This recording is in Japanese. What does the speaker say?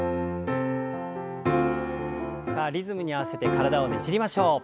さあリズムに合わせて体をねじりましょう。